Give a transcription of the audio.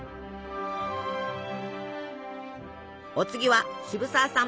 お次は渋沢さん